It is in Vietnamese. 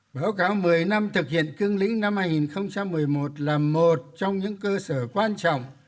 báo cáo một mươi năm thực hiện cương lĩnh năm hai nghìn một mươi một là một trong những cơ sở quan trọng